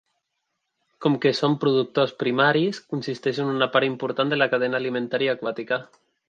Com que són productors primaris, constitueixen una part important de la cadena alimentària aquàtica.